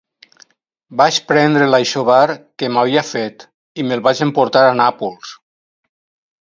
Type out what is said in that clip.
Vaig prendre l'aixovar que m'havia fet i me'l vaig emportar a Nàpols.